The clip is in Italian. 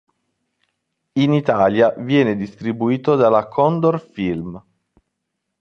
In Italia venne distribuito dalla "Condor Film".